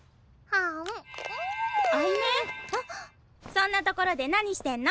そんなところで何してんの？